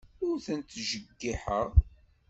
Ur tent-ttjeyyiḥeɣ.